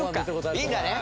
いいんだね？